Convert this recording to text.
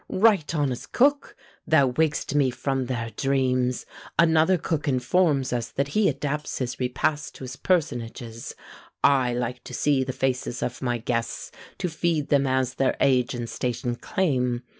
Right honest Cook! thou wak'st me from their dreams! Another cook informs us that he adapts his repasts to his personages. I like to see the faces of my guests, To feed them as their age and station claim.